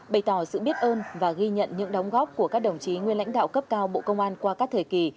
bày tỏ sự biết ơn và ghi nhận những đóng góp của các đồng chí nguyên lãnh đạo cấp cao bộ công an qua các thời kỳ